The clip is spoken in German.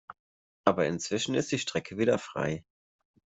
Aber inzwischen ist die Strecke wieder frei.